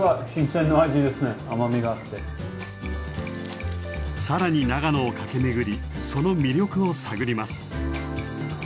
更に長野を駆け巡りその魅力を探ります。